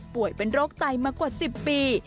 ป่วยเป็นโรคไตมากว่าสิบปี